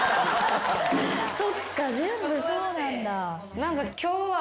そっか全部そうなんだ。